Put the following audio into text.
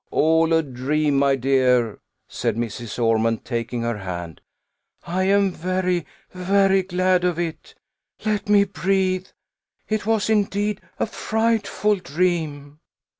"All a dream, my dear!" said Mrs. Ormond, taking her hand. "I am very, very glad of it! Let me breathe. It was, indeed, a frightful dream!"